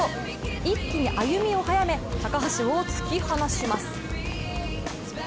一気に歩みを早め高橋を突き放します。